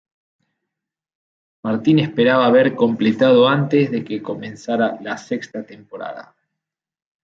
Martin esperaba haber completado antes de que comenzara la sexta temporada.